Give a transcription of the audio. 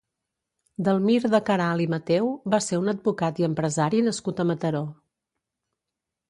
Delmir de Caralt i Matheu va ser un advocat i empresari nascut a Mataró.